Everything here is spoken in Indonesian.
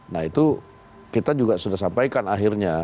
nah itu kita juga sudah sampaikan akhirnya